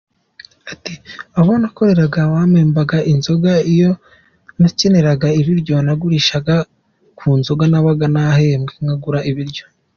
Ati” Abo nakoreraga bampembaga inzoga , iyo nakeneraga ibiryonagurishaga ku nzoga nabaga nahembwe nkagura ibiryo.